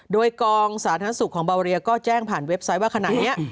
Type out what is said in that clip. โดยกองสาธารณสุขของเบาเรียก็แจ้งผ่านเว็บไซต์ว่าขณะนี้